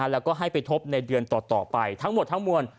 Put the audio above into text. แล้วก็ให้ไปทบในเดือนต่อไปทั้งหมดทั้งมวล